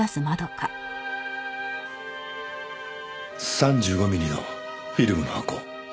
３５ミリのフィルムの箱。